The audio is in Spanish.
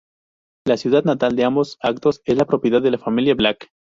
La ciudad natal de ambos actos es la propiedad de la familia Black.